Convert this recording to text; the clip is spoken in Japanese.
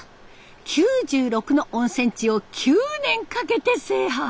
９６の温泉地を９年かけて制覇。